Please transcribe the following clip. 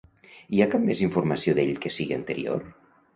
Hi ha cap més informació d'ell que sigui anterior?